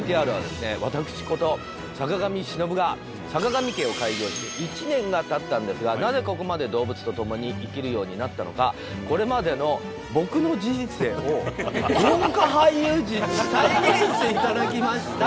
私こと坂上忍がさかがみ家を開業して１年がたったんですがなぜここまで動物と共に生きるようになったのかこれまでの僕の人生を豪華俳優陣に再現していただきました。